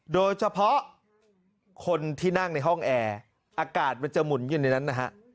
โดยเฉพาะคนที่นั่งในห้องแอร์อากาศมันจะหมุนอยู่ในนั้นนะฮะ